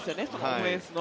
オフェンスの。